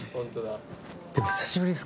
でも久しぶりです。